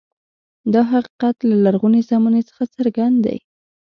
دا حقیقت له لرغونې زمانې څخه څرګند دی.